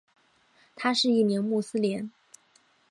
他是一名穆斯林。